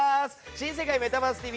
「新世界メタバースＴＶ！！」